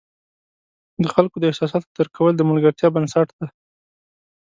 د خلکو د احساساتو درک کول د ملګرتیا بنسټ دی.